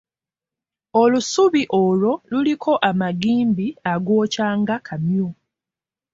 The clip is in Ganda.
Olusubi olwo luliko amagimbi agookya nga kamyu.